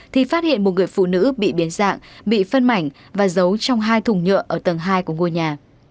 thì phát hiện một người phụ nữ bị biến dạng bị phân mảnh và giấu trong hai thùng nhựa ở tầng hai của ngôi nhà